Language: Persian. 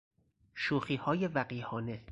شوخیهای وقیحانه